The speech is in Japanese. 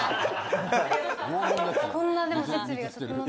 こんな設備が整ってる。